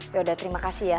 yaudah terima kasih ya